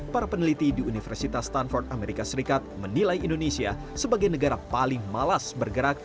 para peneliti di universitas tanford amerika serikat menilai indonesia sebagai negara paling malas bergerak